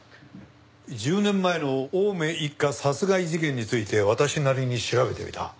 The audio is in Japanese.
１０年前の青梅一家殺害事件について私なりに調べてみた。